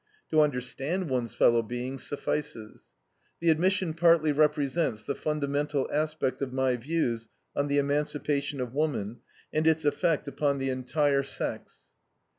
To understand one's fellow being suffices. The admission partly represents the fundamental aspect of my views on the emancipation of woman and its effect upon the entire sex.